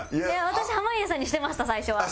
私濱家さんにしてました最初は。